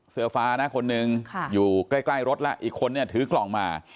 เสื้อฟ้านะคนนึงอยู่ใกล้รถแล้วอีกคนเนี่ยถือกล่องมา